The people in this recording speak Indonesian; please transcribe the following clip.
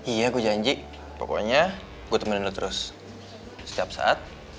iya gue janji pokoknya gue temenin lu terus setiap saat